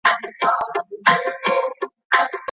درانه مصارف پر خلګو تپل کيږي.